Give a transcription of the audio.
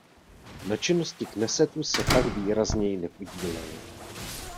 Na činnosti Knesetu se pak výrazněji nepodílel.